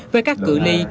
với các cự li